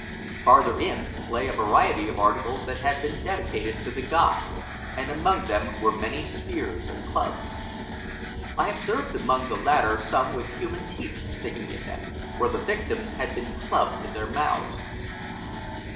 Farther in lay a variety of articles that had been dedicated to the god, and among them were many spears and clubs. I observed among the latter some with human teeth sticking in them, where the victims had been clubbed in their mouths.